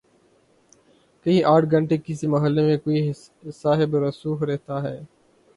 کہیں آٹھ گھنٹے کسی محلے میں کوئی صاحب رسوخ رہتا ہے۔